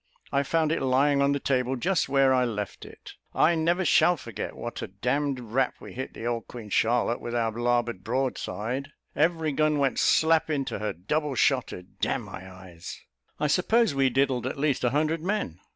I found it lying on the table just where I left it. I never shall forget what a d d rap we hit the old Queen Charlotte, with our larboard broadside; every gun went slap into her, double shotted. D n my eyes, I suppose we diddled at least a hundred men."